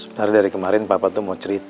sebenarnya dari kemarin bapak tuh mau cerita